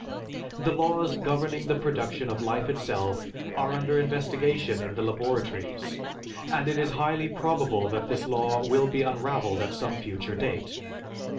The laws governing the production of life itself are under investigation in the laboratories and it is highly probable that this law will be unraveled at some future date.